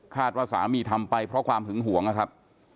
ว่าสามีทำไปเพราะความหึงหวงนะครับ